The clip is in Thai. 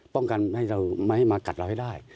ป้องกันไมให้มากัด